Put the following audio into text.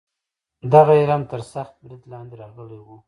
دغه علم تر سخت برید لاندې راغلی و.